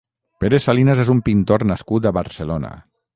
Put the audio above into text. Pere Salinas és un pintor nascut a Barcelona.